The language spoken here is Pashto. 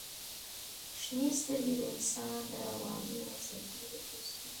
• شنې سترګې د انسان د رواني وضعیت یو جز دی.